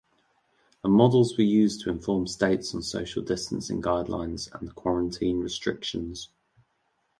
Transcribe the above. Her models were used to inform states on social distancing guidelines and quarantine restrictions.